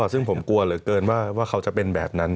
ซึ่งผมกลัวเหลือเกินว่าเขาจะเป็นแบบนั้น